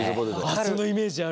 そのイメージある。